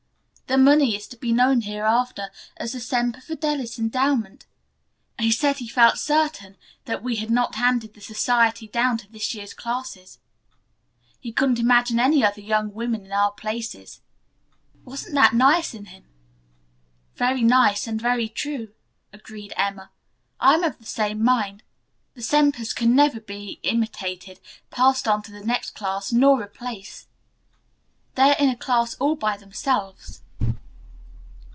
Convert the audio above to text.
The money is to be known hereafter as the Semper Fidelis endowment. He said he felt certain that we had not handed the society down to this year's classes. He couldn't imagine any other young women in our places. Wasn't that nice in him?" "Very nice and very true," agreed Emma. "I am of the same mind. The Sempers can never be imitated, passed on to the next class, nor replaced. They are in a class all by themselves."